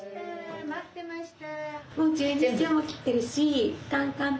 待ってました。